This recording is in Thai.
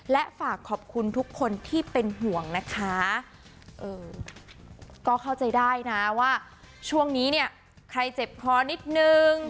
และฝากขอบคุณทุกคนที่เป็นห่วงนะคะเออก็เข้าใจได้นะว่าช่วงนี้เนี่ยใครเจ็บคอนิดนึง